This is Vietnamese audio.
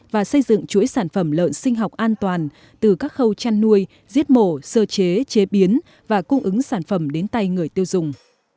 và xây dựng chuỗi sản phẩm lợn sinh học an toàn từ các khâu chăn nuôi giết mổ sơ chế chế biến và cung ứng sản phẩm đến tay người tiêu dùng